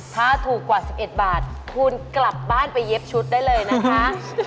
ถ้าถูกกว่า๑๑บาทคุณกลับบ้านไปเย็บชุดได้เลยนะคะ